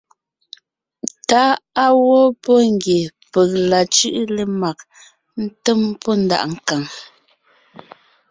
Táʼ á wɔ́ pɔ́ ngie peg la cʉ́ʼʉ lemag ńtém pɔ́ ndaʼ nkàŋ.